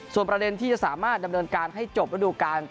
ส่วนประเด็นที่จะสามารถดำเนินการให้จบระดูการ